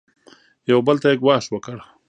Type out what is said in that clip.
یو بل ته یې ګواښ وکړ.